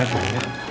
kita duluan ya